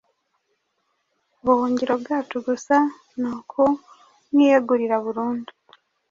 Ubuhungiro bwacu gusa ni ukumwiyegurira burundu